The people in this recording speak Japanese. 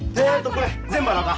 これ全部洗おうか。